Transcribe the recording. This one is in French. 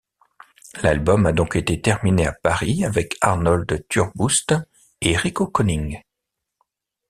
L'album a donc été terminé à Paris avec Arnold Turboust et Rico Conning.